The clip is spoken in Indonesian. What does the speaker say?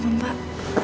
ya ampun pak